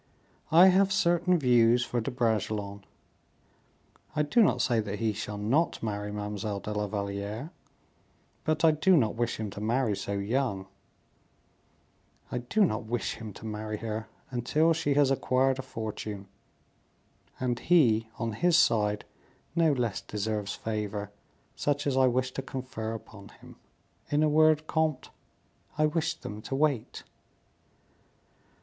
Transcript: I have certain views for De Bragelonne. I do not say that he shall not marry Mademoiselle de la Valliere, but I do not wish him to marry so young; I do not wish him to marry her until she has acquired a fortune; and he, on his side, no less deserves favor, such as I wish to confer upon him. In a word, comte, I wish them to wait."